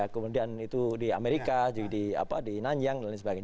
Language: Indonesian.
kemudian itu di amerika di nanjang dan lain sebagainya